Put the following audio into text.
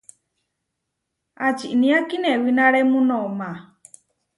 ¿Ačinia kinewináremu noʼma?